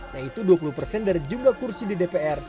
yaitu dua puluh persen dari jumlah kursi di dpr